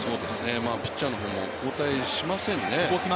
ピッチャーの方も交代しませんね。